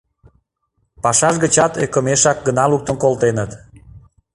Пашаж гычат ӧкымешак гына луктын колтеныт.